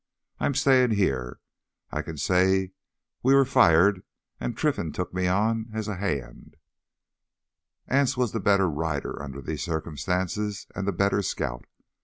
I'm stayin' here. I can say we were fired and Trinfan took me on as a hand." Anse was the better rider under these circumstances, and the better scout.